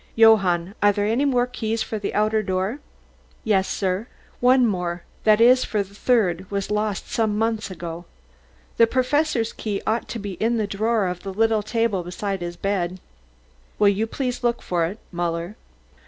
"Johann, are there any more keys for the outer door?" "Yes, sir. One more, that is, for the third was lost some months ago. The Professor's own key ought to be in the drawer of the little table beside the bed." "Will you please look for it, Muller?"